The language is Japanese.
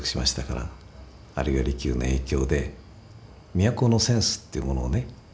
あるいは利休の影響で都のセンスっていうものをね